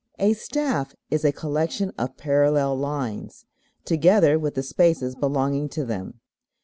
A staff is a collection of parallel lines, together with the spaces belonging to them.